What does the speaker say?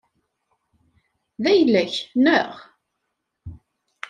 D ayla-k, neɣ?